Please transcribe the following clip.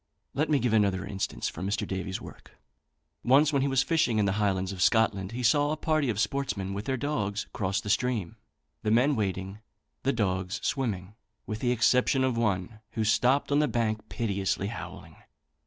Let me give another instance from Mr. Davy's work. Once when he was fishing in the highlands of Scotland, he saw a party of sportsmen, with their dogs, cross the stream, the men wading, the dogs swimming, with the exception of one, who stopped on the bank piteously howling.